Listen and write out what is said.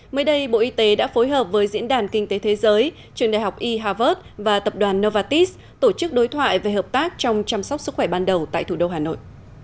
mới đây bộ y tế đã phối hợp với diễn đàn kinh tế thế giới trường đại học e harvard và tập đoàn novatis tổ chức đối thoại về hợp tác trong chăm sóc sức khỏe ban đầu tại thủ đô hà nội